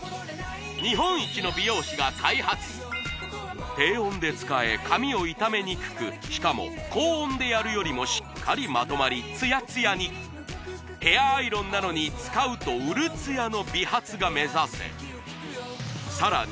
日本一の美容師が開発低温で使え髪を傷めにくくしかも高温でやるよりもしっかりまとまりツヤツヤにヘアアイロンなのに使うとうるツヤの美髪が目指せさらに